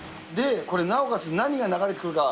なおかつ、何が流れてくるか。